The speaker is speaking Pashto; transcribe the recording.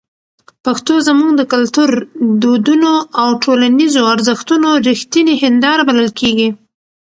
پښتو زموږ د کلتور، دودونو او ټولنیزو ارزښتونو رښتینې هنداره بلل کېږي.